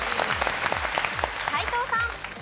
斎藤さん。